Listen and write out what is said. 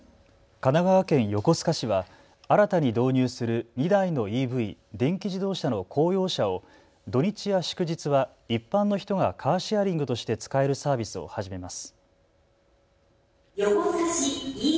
神奈川県横須賀市は新たに導入する２台のＥＶ・電気自動車の公用車を土日や祝日は一般の人がカーシェアリングとして使えるサービスを始めます。